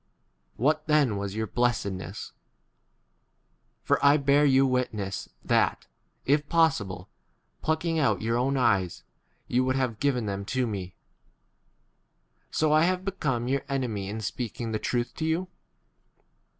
15 What then [was] your blessed ness py for I bear you witness that, if possible, plucking out your own eyes ye would have given 16 [them] to me. So I have become your enemy in speaking the truth 17 to yon